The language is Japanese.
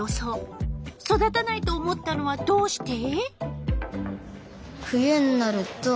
育たないと思ったのはどうして？